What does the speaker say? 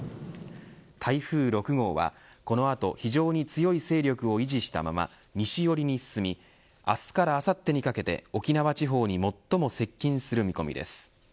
台風６号は、この後非常に強い勢力を維持したまま西よりに進み明日からあさってにかけて沖縄地方に最も接近する見込みです。